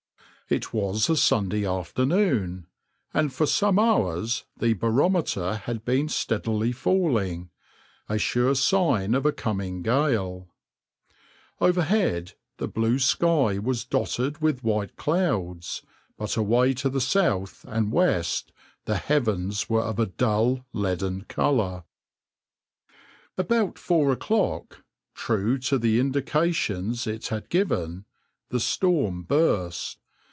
It was a Sunday afternoon, and for some hours the barometer had been steadily falling, a sure sign of a coming gale. Overhead the blue sky was dotted with white clouds, but away to the south and west the heavens were of a dull leaden colour.\par About four o'clock, true to the indications it had given, the storm burst.